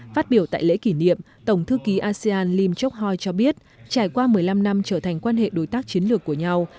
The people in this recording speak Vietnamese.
phát biểu tại lễ kỷ niệm tổng thư ký asean lim chok hoi cho biết trải qua một mươi năm năm trở thành quan hệ đối tác chiến lược của nhau